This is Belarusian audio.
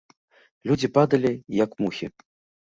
Людзі падалі, як мухі.